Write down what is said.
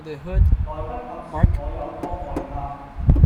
來不及說我有多愛他